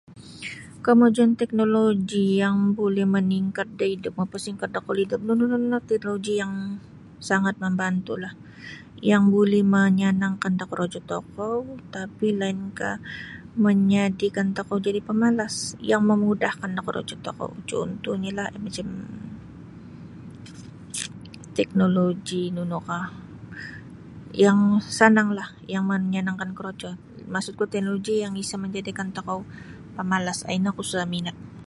Kemajuan teknoloji yang buli maningkat da idup moposingkat da kuali idup nunu nunu teknoloji yang sangat mambantu'lah yang buli manyanangkan da korojo tokou tapi lainkah manjadikan tokou jadi pemalas yang mamudahkan da korojo tokou cuntuhnyolah macam teknoloji nunu kah yang sananglah yang manyanangkan korojo maksudku teknoloji yang isa menjadikan tokou pemalas um ino oku isa' minat.